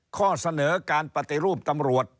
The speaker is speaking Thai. ข้อเสนอการปฏิรูปตำรวจ